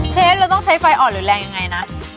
เชฟเราต้องใช้ไฟอ่อนหรือแรงยังไงนะ